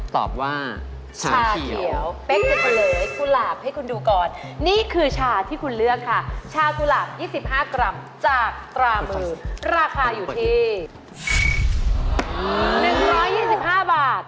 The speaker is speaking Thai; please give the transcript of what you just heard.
ตอบว่าชาเขียวเป๊กจะเฉลยกุหลาบให้คุณดูก่อนนี่คือชาที่คุณเลือกค่ะชากุหลาบ๒๕กรัมจากตรามือราคาอยู่ที่๑๒๕บาท